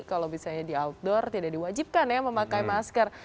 kalau misalnya di outdoor tidak diwajibkan ya memakai masker